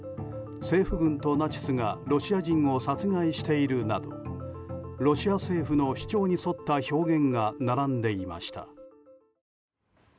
政府軍とナチスがロシア人を殺害しているなどロシア政府の主張に沿った表現が並んでいました。